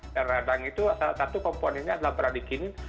sel radang itu salah satu komponennya adalah bradikinin